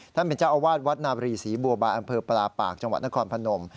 ท่านเป็นเจ้าอาวาสวัดนาบรีศรีบัวบายอำเภอปลาปากจังหวัดนครพนม